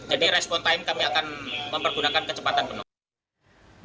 jadi respon time kami akan mempergunakan kecepatan penuh